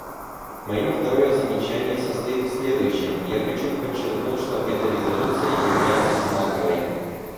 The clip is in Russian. Мое второе замечание состоит в следующем: я хочу подчеркнуть, что эта резолюция является знаковой.